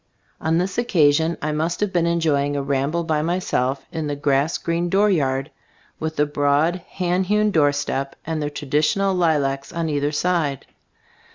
On this occasion I must have been enjoying a ramble by myself in the grass green dooryard, with the broad hand hewn doorstep and the tradi tional lilacs on either side.